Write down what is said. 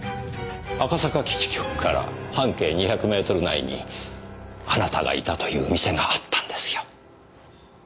赤坂基地局から半径２００メートル内にあなたがいたという店があったんですよ。